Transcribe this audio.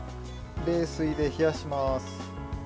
冷水で冷やします。